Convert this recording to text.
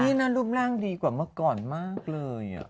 นี่นะรูปร่างดีกว่าเมื่อก่อนมากเลย